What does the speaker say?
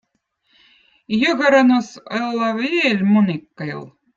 Jõgõrannõz õlla veel mõnikkaill.